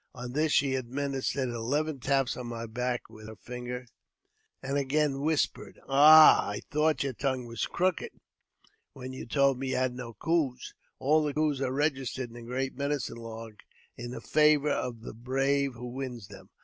On this she administered eleven taps on my back with heri finger, and again whispered, '' Ah ! I thought your tongue was crooked when you told me you had no coos." All the coos are registered in the great medicine lodge in favour of the bravi who wins them.